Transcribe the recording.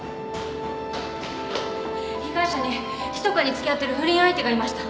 被害者にひそかにつきあってる不倫相手がいました！